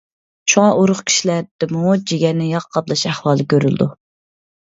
شۇڭا ئورۇق كىشىلەردىمۇ جىگەرنى ياغ قاپلاش ئەھۋالى كۆرۈلىدۇ.